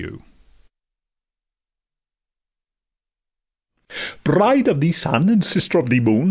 'Bride of the Sun! and Sister of the Moon!